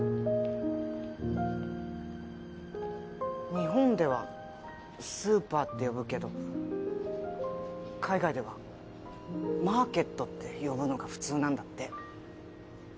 日本ではスーパーって呼ぶけど海外ではマーケットって呼ぶのが普通なんだって。